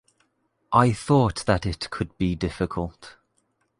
I thought that it could be difficult.